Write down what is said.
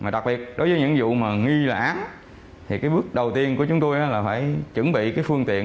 đặc biệt đối với những vụ nghi lãng bước đầu tiên của chúng tôi là phải chuẩn bị phương tiện